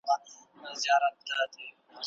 بيا ئې سموو.